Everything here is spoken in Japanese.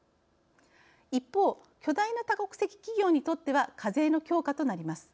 一方、巨大な多国籍企業にとっては課税の強化となります。